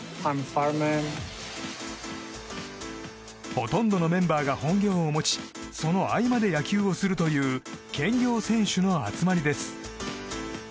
ほとんどのメンバーが本業を持ちその合間で野球をするという兼業選手の集まりです。